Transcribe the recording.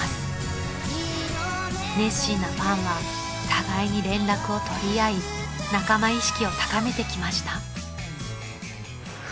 ［熱心なファンは互いに連絡を取り合い仲間意識を高めてきました］